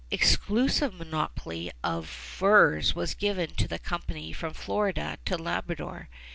Exclusive monopoly of furs was given to the company from Florida to Labrador.